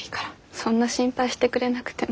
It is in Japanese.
そんな心配してくれなくても。